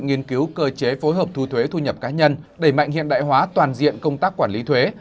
nghiên cứu cơ chế phối hợp thu thuế thu nhập cá nhân đẩy mạnh hiện đại hóa toàn diện công tác quản lý thuế